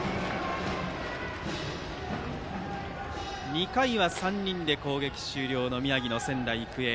２回は３人で攻撃終了の宮城の仙台育英。